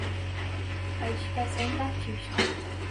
Agitação Cartista